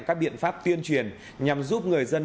các biện pháp tuyên truyền nhằm giúp người dân